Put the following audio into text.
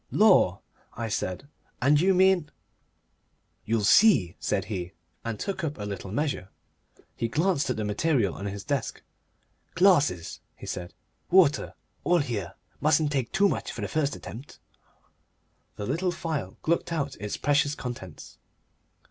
"Lor'," I said. "And you mean " "You'll see," said he, and took up a little measure. He glanced at the material on his desk. "Glasses," he said, "water. All here. Mustn't take too much for the first attempt." The little phial glucked out its precious contents.